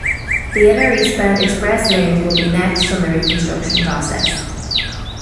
The inner eastbound express lanes will be next on the reconstruction process.